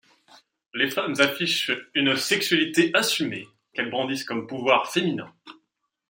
Les femmes affichent une sexualité assumée qu'elles brandissent comme pouvoir féminin.